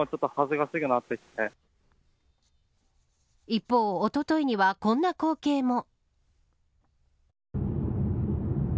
一方、おとといにはこんな光景も。